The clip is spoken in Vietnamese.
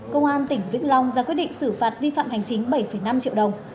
cơ quan tỉnh vĩnh long ra quyết định xử phạt vi phạm hành chính bảy năm triệu đồng